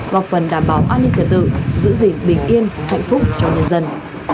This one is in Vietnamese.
và phần đảm bảo an ninh trẻ tự giữ gìn bình yên hạnh phúc cho nhân dân